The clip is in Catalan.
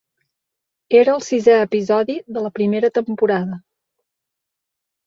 Era el sisè episodi de la primera temporada.